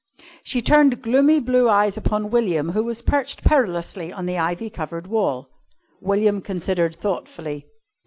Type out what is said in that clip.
She turned gloomy blue eyes upon William, who was perched perilously on the ivy covered wall. William considered thoughtfully.